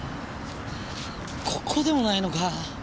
ここでもないのか！